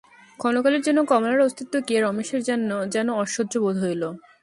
ক্ষণকালের জন্য কমলার অস্তিত্বকে রমেশের যেন অসহ্য বোধ হইল।